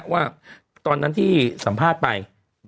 ว่าตอนนั้นที่สัมภาษณ์ไป